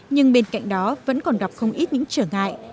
nhưng bên cạnh đó vẫn còn gặp không ít những trở ngại